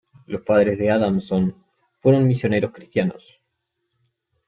Los padres de Adamson fueron misioneros cristianos.